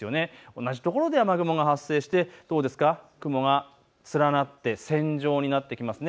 同じ所で雨雲が発生して雲が連なって線状になってきますね。